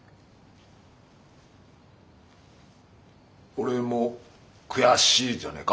「俺も悔しい」じゃねえか？